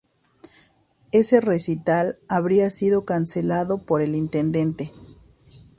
Ese recital habría sido cancelado por el intendente.